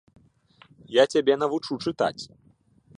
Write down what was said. Я цябе навучу чытаць.